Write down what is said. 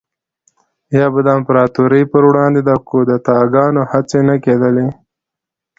یا به د امپراتورۍ پروړاندې د کودتاګانو هڅې نه کېدلې